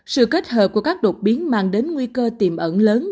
sự kết hợp của các đột biến mang đến nguy cơ tiềm ẩn lớn